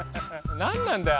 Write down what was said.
何なんだよ？